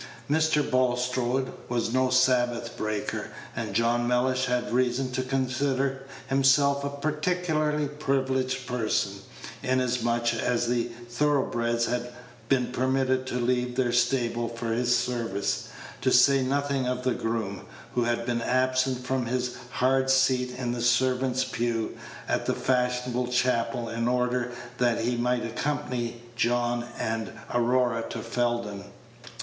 Mr. Bulstrode was no Sabbath breaker; and John Mellish had reason to consider himself a peculiarly privileged person, inasmuch as the thorough breds had been permitted to leave their stables for his service, to say nothing of the groom, who had been absent from his hard seat in the servants' pew at a fashionable chapel in order that he might accompany John and Aurora to Felden.